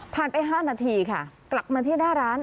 ไป๕นาทีค่ะกลับมาที่หน้าร้าน